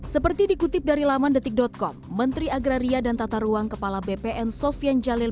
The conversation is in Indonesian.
seperti dikutip dari laman detik com menteri agraria dan tata ruang kepala bpn sofian jalil